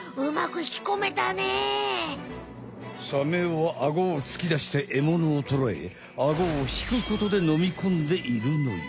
サメはアゴを突き出してエモノをとらえアゴを引くことで飲み込んでいるのよ。